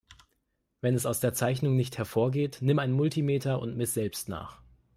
Wenn es aus der Zeichnung nicht hervorgeht, nimm ein Multimeter und miss selbst nach.